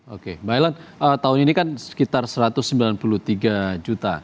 oke mbak ellen tahun ini kan sekitar satu ratus sembilan puluh tiga juta